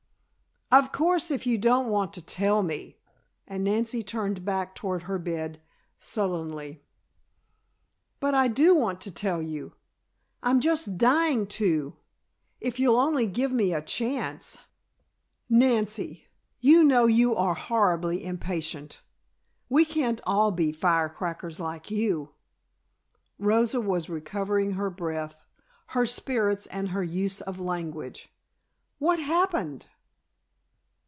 '" "Of course, if you don't want to tell me," and Nancy turned back toward her bed, sullenly. "But I do want to tell you; I'm just dying to, if you'll only give me a chance. Nancy, you know you are horribly impatient. We can't all be firecrackers like you." Rosa was recovering her breath, her spirits and her use of language. "What happened?"